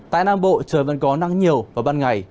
tại nam bộ trời vẫn có nắng nhiều vào ban ngày